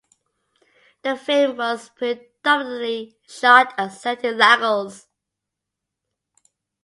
The film was predominantly shot and set in Lagos.